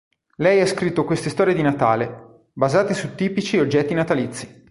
Lei ha scritto queste storie di Natale, basate su tipici oggetti natalizi.